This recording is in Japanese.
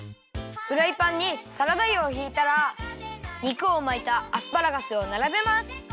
フライパンにサラダ油をひいたら肉をまいたアスパラガスをならべます。